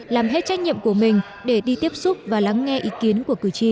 làm hết trách nhiệm của mình để đi tiếp xúc và lắng nghe ý kiến của cử tri